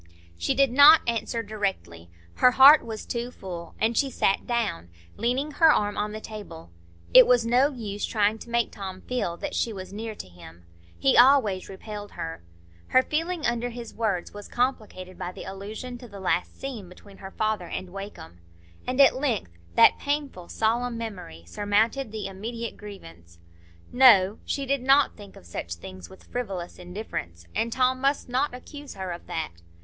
She did not answer directly; her heart was too full, and she sat down, leaning her arm on the table. It was no use trying to make Tom feel that she was near to him. He always repelled her. Her feeling under his words was complicated by the allusion to the last scene between her father and Wakem; and at length that painful, solemn memory surmounted the immediate grievance. No! She did not think of such things with frivolous indifference, and Tom must not accuse her of that.